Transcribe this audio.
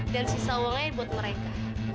dan sisa uangnya buat mereka